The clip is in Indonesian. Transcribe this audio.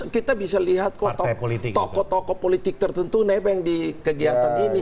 kita bisa lihat tokoh tokoh politik tertentu nebeng di kegiatan ini